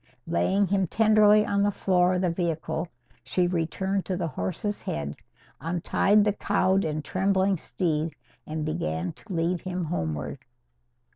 Laying him tenderly on the floor of the vehicle, she returned to the horse's head, untied the cowed and trembling steed, and began to lead him homeward.